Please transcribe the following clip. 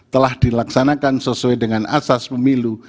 telah dilaksanakan sesuai dengan asas pemilu